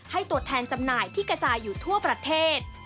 ตัวแทนจำหน่ายที่กระจายอยู่ทั่วประเทศ